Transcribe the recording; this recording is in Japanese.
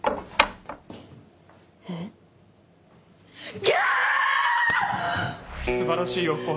すばらしいよ